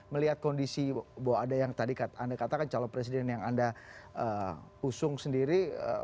melihat kondisi bahwa ada yang tadi anda katakan calon presiden yang anda usung sendiri